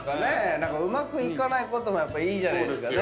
何かうまくいかないこともやっぱいいじゃないですかね。